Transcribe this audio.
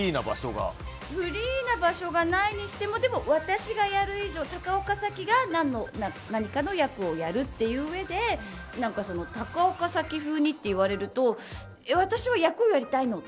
フリーな場所がないにしてもでも、私がやる以上高岡早紀が何かの役をやるといううえで高岡早紀風にって言われると私は役をやりたいの。